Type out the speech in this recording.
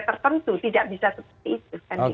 tertentu tidak bisa seperti itu